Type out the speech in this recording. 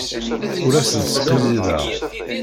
Ur asen-sqizzibeɣ.